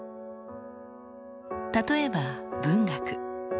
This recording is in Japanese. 例えば文学。